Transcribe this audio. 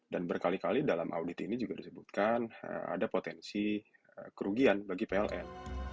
dan berkali kali dalam audit ini juga disebutkan ada potensi kerugian bagi pln